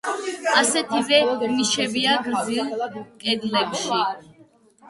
ასეთივე ნიშებია გრძივ კედლებში.